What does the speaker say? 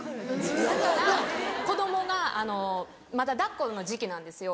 だから子供がまだ抱っこの時期なんですよ。